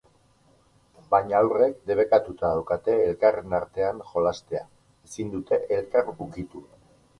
Baina haurrek debekatuta daukate elkarren artean jolastea, ezin dute elkar ukitu.